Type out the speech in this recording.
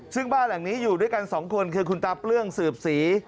ซึ่งบ้านหลังนี้อยู่ด้วยกันสองคนคือคุณตาเปลื้องสืบศรี